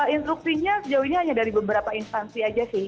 instruksinya sejauh ini hanya dari beberapa instansi aja sih